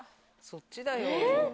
そっちよ。